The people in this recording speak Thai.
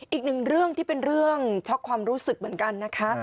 อีกหนึ่งเรื่องที่เป็นเรื่องช็อกความรู้สึกเหมือนกันนะคะ